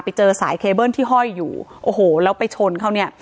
ไปเจอสายเคเบิ้ลที่ห้อยอยู่โอ้โหแล้วไปชนเขาเนี่ย